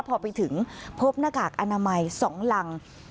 พอไปถึงพบหน้ากากอนามัย๒รัง